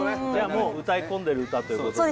もう歌い込んでる歌ということですね